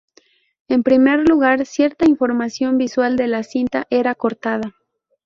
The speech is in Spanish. En primer lugar, cierta información visual de la cinta era cortada.